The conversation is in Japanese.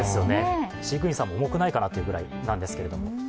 飼育員さんも重くないかなという感じですけれども。